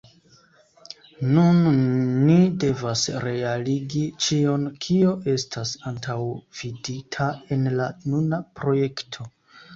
Nun ni devas realigi ĉion kio estas antaŭvidita en la nuna projekto.